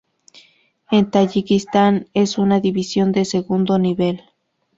En Tayikistán es una división de segundo nivel.